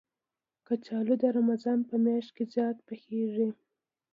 کچالو د رمضان په میاشت کې زیات پخېږي